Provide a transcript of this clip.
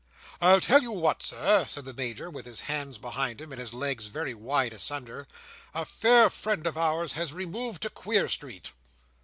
"I'll tell you what, Sir," said the Major, with his hands behind him, and his legs very wide asunder, "a fair friend of ours has removed to Queer Street."